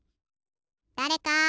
だれか！